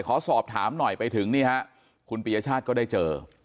ขอสอบถามหน่อยไปถึงนี่ฮะคุณปียชาติก็ได้เจอ